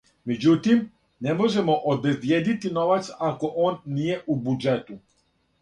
Меđутим, не можемо обезбиједити новац ако он није у буђету.